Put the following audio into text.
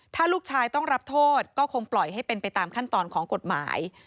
ถ้าลูกชายต้องรับโทษก็คงปล่อยให้เป็นไปตามขั้นตอนของกฎหมาย